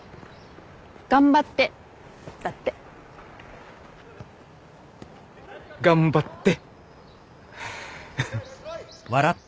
頑張ってだって。頑張って。